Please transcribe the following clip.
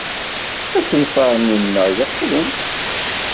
Asenfaṛ-nni-nneɣ yeqqim.